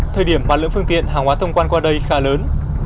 thời điểm mà lượng phương tiện hàng hóa thông quan qua đây khá lớn